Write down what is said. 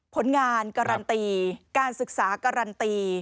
ผลงานเกราะตีการศึกษากรรตี